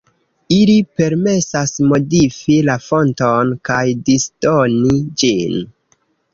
Ili permesas modifi la fonton kaj disdoni ĝin.